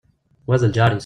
Wa d lǧar-is.